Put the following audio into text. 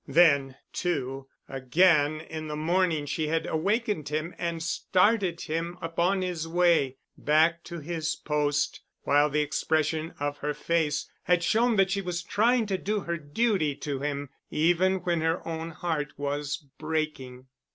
Then, too, again in the morning she had awakened him and started him upon his way back to his post, while the expression of her face had shown that she was trying to do her duty to him even when her own heart was breaking.